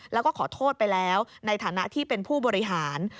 แล้วก็ขอโทษไปแล้วในฐานะที่เป็นผู้บริหาร